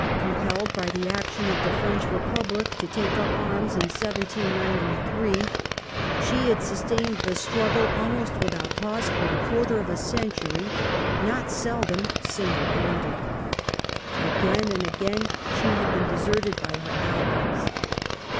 Compelled by the action of the French ° gat^war Republic to take up arms in 1793, she had sustained the struggle, almost without pause, for a quarter of a century — not seldom single handed. Again and again she had been deserted by her allies.